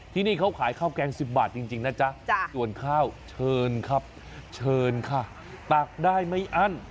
ที่นี่เขาขายข้าวแกง๑๐บาทจริงนะจ๊ะส่วนข้าวเชิญครับเชิญค่ะตักได้ไม่อั้น